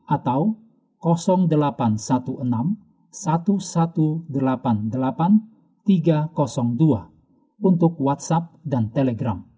atau delapan ratus enam belas seribu satu ratus delapan puluh delapan tiga ratus dua untuk whatsapp dan telegram